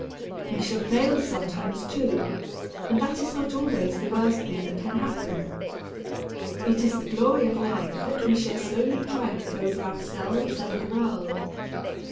We shall fail sometimes, too, and that is not always the worst thing that can happen. It is the glory of life that we shall slowly triumph over ourselves and the world.